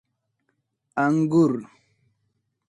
🍇 انګور